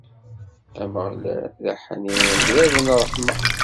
Ameɣlal, d aḥnin, d bab n ṛṛeḥma.